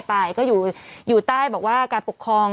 ไปก็อยู่ใต้การปกครอง